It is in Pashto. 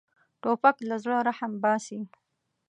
توپک له زړه رحم باسي.